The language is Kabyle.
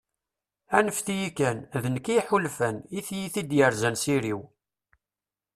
anfet-iyi kan, d nekk i yeḥulfan, i tyita i d-yerzan s iri-w